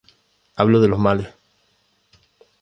Hablo de los males.